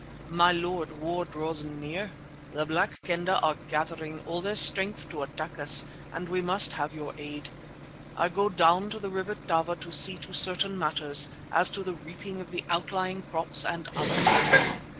"My Lord, war draws near. The Black Kendah are gathering all their strength to attack us and we must have your aid. I go down to the River Tava to see to certain matters, as to the reaping of the outlying crops and other things.